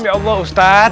ya allah ustadz